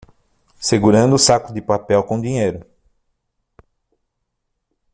Segurando o saco de papel com dinheiro